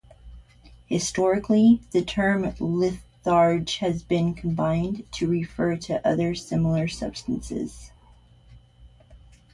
Historically, the term "litharge" has been combined to refer to other similar substances.